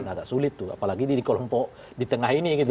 agak sulit tuh apalagi di kelompok di tengah ini gitu